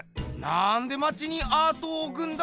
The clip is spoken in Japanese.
なんでまちにアートをおくんだ？